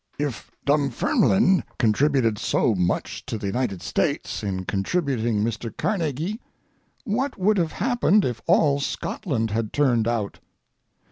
If Dunfermline contributed so much to the United States in contributing Mr. Carnegie, what would have happened if all Scotland had turned out?